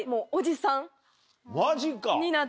マジか。